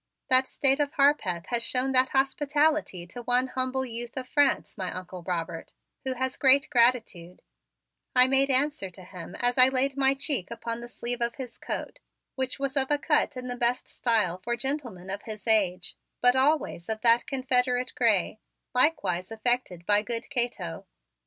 "That State of Harpeth has shown that hospitality to one humble youth of France, my Uncle Robert, who has a great gratitude," I made answer to him as I laid my cheek upon the sleeve of his coat, which was of a cut in the best style for gentlemen of his age but always of that Confederate gray, likewise affected by good Cato.